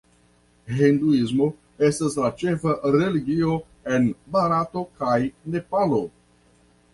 Hinduismo estas la ĉefa religio en Barato kaj Nepalo.